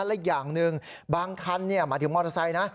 และอีกอย่างหนึ่งบางคันหมายถึงมอเตอร์ไซค์นะ